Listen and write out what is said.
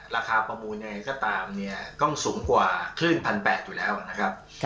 ประมูลยังไงก็ตามเนี่ยต้องสูงกว่าคลื่น๑๘๐๐อยู่แล้วนะครับ